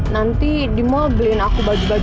nanti di mall beliin aku baju baju